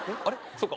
そうか。